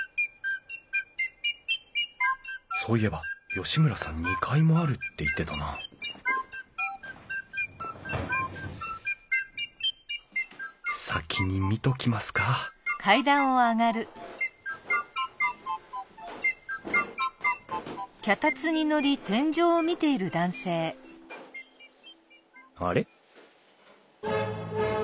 そういえば吉村さん２階もあるって言ってたな先に見ときますかあれ？